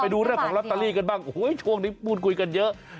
ไปดูเรื่องรอตเตอรี่กันบ้างโชกนี้บูนคุยกันเยอะ